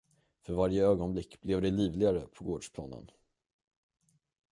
För varje ögonblick blev det livligare på gårdsplanen.